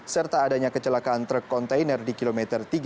serta adanya kecelakaan truk kontainer di kilometer tiga puluh